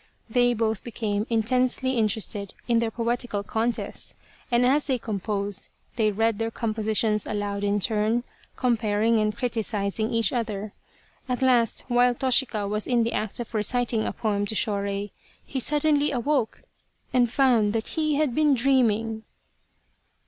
They both became intensely interested in their poetical contest and as they composed they read their compositions aloud in turn, comparing and criticizing each other. At last, while Toshika was in the act of reciting a poem to Shorei, he suddenly awoke and found that he had been dreaming.